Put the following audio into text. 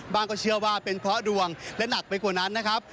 ก็เชื่อว่าเป็นเพราะดวงและหนักไปกว่านั้นนะครับ